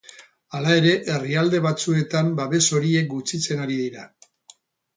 Hala ere, herrialde batzuetan babes horiek gutxitzen ari dira.